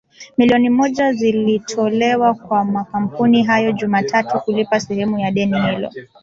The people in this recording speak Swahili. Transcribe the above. milioni moja zilitolewa kwa makampuni hayo Jumatatu kulipa sehemu ya deni hilo